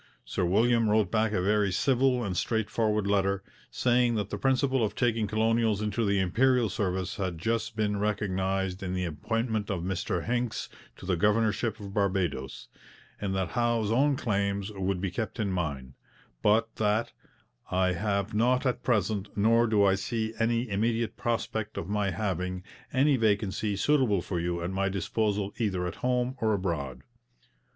Sir William wrote back a very civil and straight forward letter, saying that the principle of taking colonials into the Imperial service had just been recognized in the appointment of Mr Hincks to the governorship of Barbados, and that Howe's own claims would be kept in mind, but that 'I have not at present, nor do I see any immediate prospect of my having, any vacancy suitable for you at my disposal either at home or abroad.'